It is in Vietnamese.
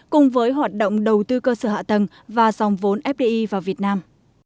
cùng với hoạt động đầu tư cơ sở hạ tầng và dòng vốn fdi vào việt nam